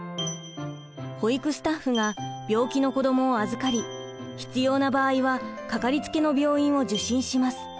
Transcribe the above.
保育スタッフが病気の子どもを預かり必要な場合はかかりつけの病院を受診します。